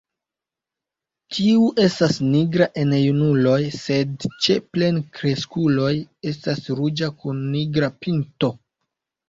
Tiu estas nigra en junuloj, sed ĉe plenkreskuloj estas ruĝa kun nigra pinto.